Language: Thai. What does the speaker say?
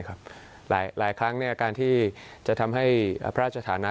การที่จะทำให้พระทะฐานา